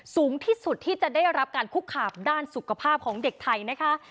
สูงที่สุดที่จะได้รับการคุกขาบด้านสุขภาพของเด็กไทยนะคะ